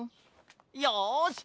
よし！